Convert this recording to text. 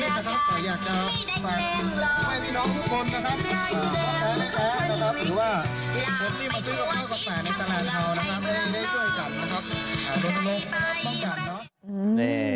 เพื่อนได้ช่วยกันนะครับเพื่อนบ้างกันเนอะ